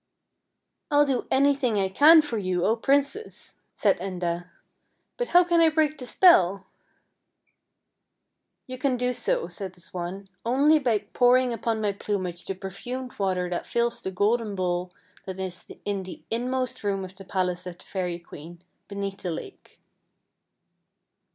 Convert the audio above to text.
" I'll do anything I can for you, O princess !" said Enda. " But how can I break the spell? "" You can do so," said the swan, " only by pour ing upon my plumage the perfumed water that fills the golden bowl that is in the inmost room of the palace of the fairy queen, beneath the lake."